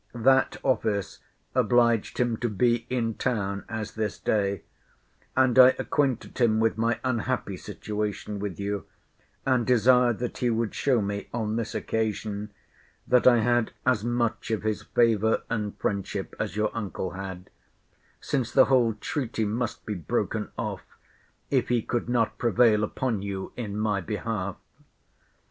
That office obliged him to be in town as this day: and I acquainted him with my unhappy situation with you; and desired that he would show me, on this occasion, that I had as much of his favour and friendship as your uncle had; since the whole treaty must be broken off, if he could not prevail upon you in my behalf.